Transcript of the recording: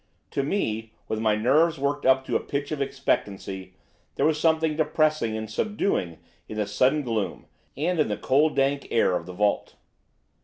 To me, with my nerves worked up to a pitch of expectancy, there was something depressing and subduing in the sudden gloom, and in the cold dank air of the vault.